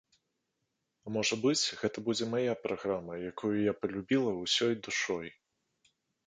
А, можа быць, гэта будзе мая праграма, якую я палюбіла ўсёй душой.